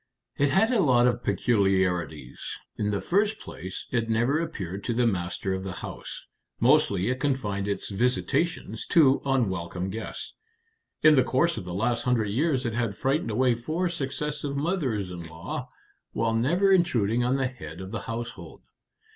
"It had a lot of peculiarities. In the first place, it never appeared to the master of the house. Mostly it confined its visitations to unwelcome guests. In the course of the last hundred years it had frightened away four successive mothers in law, while never intruding on the head of the household."